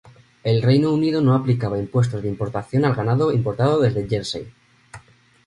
El Reino Unido no aplicaba impuestos de importación al ganado importado desde Jersey.